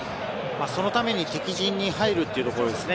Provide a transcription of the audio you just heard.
そのために敵陣に入るというところですね。